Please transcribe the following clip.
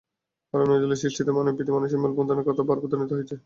কারণ নজরুলের সৃষ্টিতে মানবপ্রীতি এবং মানুষের মেলবন্ধনের কথা বারবার ধ্বনিত হয়েছে।